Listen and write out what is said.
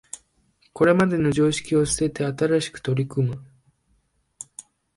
これまでの常識を捨てて新しく取り組む